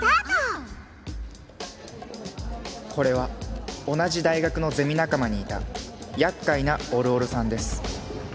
これは同じ大学のゼミ仲間にいた厄介なおるおるさんです